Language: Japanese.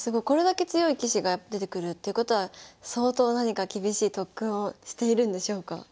これだけ強い棋士が出てくるっていうことは相当何か厳しい特訓をしているんでしょうか？